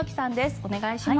お願いします。